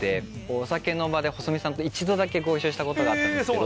お酒の場で細美さんと一度だけご一緒したことがあったんですけど。